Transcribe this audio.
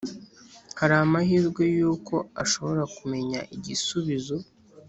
hari amahirwe yuko ashobora kumenya igisubizo